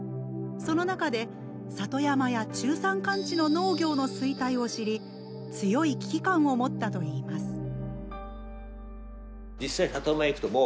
その中で里山や中山間地の農業の衰退を知り強い危機感を持ったといいます。